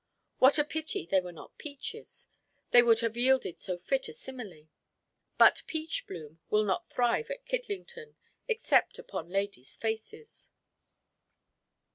What a pity they were not peaches; they would have yielded so fit a simile. But peachbloom will not thrive at Kidlington, except upon ladies' faces.